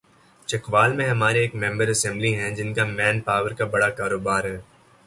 چکوال میں ہمارے ایک ممبر اسمبلی ہیں‘ جن کا مین پاور کا بڑا کاروبار ہے۔